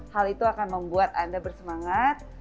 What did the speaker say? hal itu akan membuat anda bersemangat